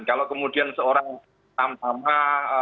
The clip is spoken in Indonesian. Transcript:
kalau kemudian seorang tamtama